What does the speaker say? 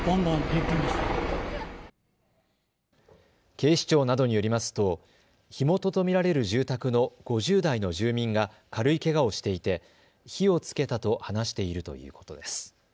警視庁などによりますと火元と見られる住宅の５０代の住民が軽いけがをしていて火をつけたと話しているということです。